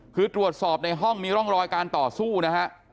คือตรวจสอบในห้องมีร่องรอยการต่อสู้นะฮะ